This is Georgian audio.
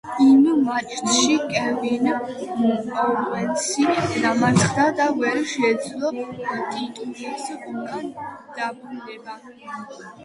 იმ მატჩში კევინ ოუენსი დამარცხდა და ვერ შეძლო ტიტულის უკან დაბრუნება.